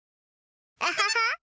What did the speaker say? アハハ！